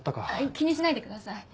気にしないでください。